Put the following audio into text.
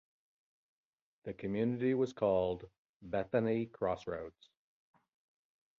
The community was called "Bethany Crossroads".